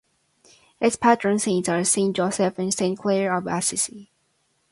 Its patron saints are Saint Joseph and Saint Clare of Assisi.